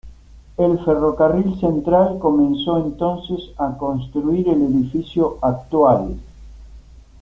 El Ferrocarril Central comenzó entonces a construir el edificio actual.